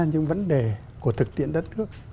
những vấn đề của thực tiện đất nước